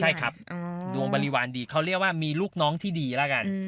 ใช่ครับดวงบริวารดีเขาเรียกว่ามีลูกน้องที่ดีแล้วกัน